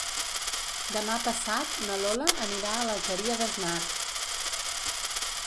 Demà passat na Lola anirà a l'Alqueria d'Asnar.